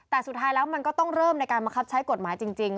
แต่สุดท้ายแล้วมันก็ต้องเริ่มในการบังคับใช้กฎหมายจริง